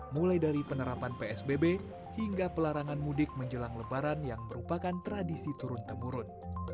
mulai dari penerapan psbb hingga pelarangan mudik menjelang lebaran yang merupakan tradisi turun temurun